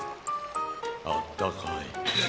あったかい。